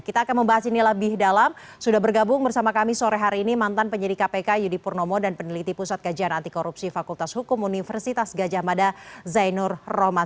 kita akan membahas ini lebih dalam sudah bergabung bersama kami sore hari ini mantan penyidik kpk yudi purnomo dan peneliti pusat kajian anti korupsi fakultas hukum universitas gajah mada zainur romad